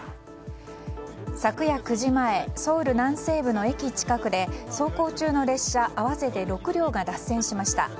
昨夜９時前ソウル南西部の駅近くで走行中の列車合わせて６両が脱線しました。